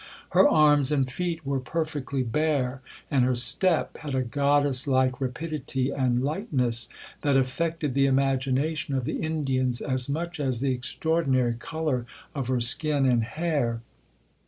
Her arms and feet were perfectly bare, and her step had a goddess like rapidity and lightness, that affected the imagination of the Indians as much as the extraordinary colour of her skin and hair.